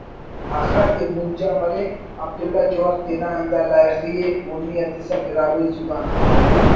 اخہ کہ مونجا مرے '' عبداللہ جوہر تینا ہندا لائخی ءِ مونی اتسا براہوئی زبان